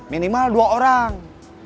minimal dua orang